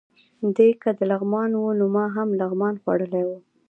دی که د لغمان و، نو ما هم لغمان خوړلی و.